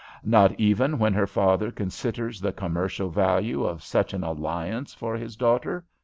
"Not even when her father considers the commercial value of such an alliance for his daughter?"